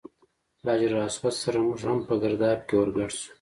له حجر اسود سره موږ هم په ګرداب کې ور ګډ شو.